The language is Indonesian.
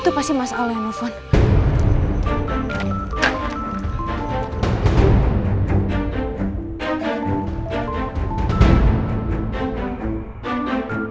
itu pasti mas kalau yang nelfon